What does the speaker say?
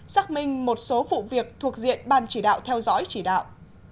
xác minh một số vụ việc thuộc diện ban chỉ đạo theo dõi chỉ đạo